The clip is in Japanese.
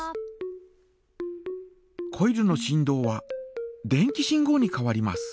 コイルの振動は電気信号に変わります。